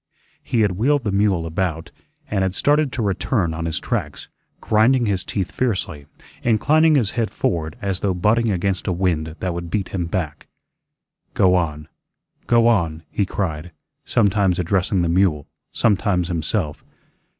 He had wheeled the mule about, and had started to return on his tracks, grinding his teeth fiercely, inclining his head forward as though butting against a wind that would beat him back. "Go on, go on," he cried, sometimes addressing the mule, sometimes himself.